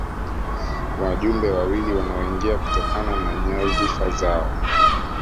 Wajumbe wawili wanaoingia kutokana na nyadhifa zao